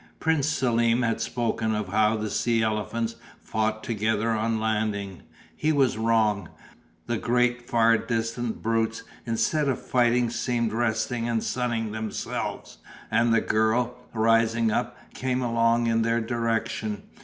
Prince Selm had spoken of how the sea elephants fought together on landing. He was wrong. The great, far distant brutes instead of fighting seemed resting and sunning themselves and the girl, rising up, came along in their direction.